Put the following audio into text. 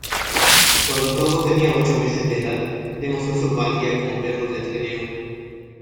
Cuando Togo tenía ocho meses de edad, demostró su valía como perro de trineo.